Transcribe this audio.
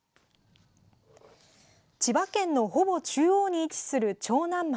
千葉県のほぼ中央に位置する長南町。